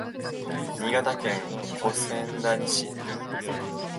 新潟県小千谷市